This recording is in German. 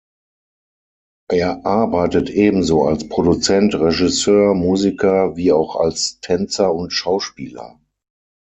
Er arbeitet ebenso als Produzent, Regisseur, Musiker wie auch als Tänzer und Schauspieler.